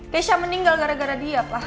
keisha meninggal gara gara dia pak